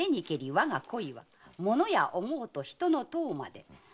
我が恋は物や思うと人の問うまで」